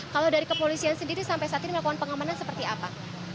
kalau dari kepolisian sendiri sampai saat ini melakukan pengamanan seperti apa